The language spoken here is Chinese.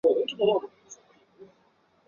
新闻总是大吹特吹